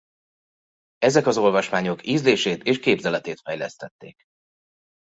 Ezek az olvasmányok ízlését és képzeletét fejlesztették.